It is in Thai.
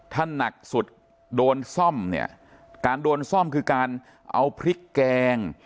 ถ้าหนักสุดโดนซ่อมเนี่ยการโดนซ่อมคือการเอาพริกแกง